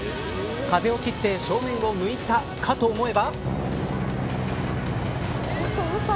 風を切って正面を向いたかと思えば。